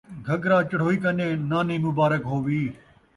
گھگھرا چڑھوئی کنے ، نانی مبارک ہووی